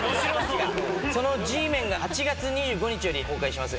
その『Ｇメン』が８月２５日より公開します。